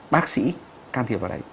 bác sĩ can thiệp vào đấy